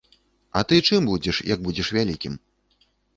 А ты чым будзеш, як будзеш вялікім?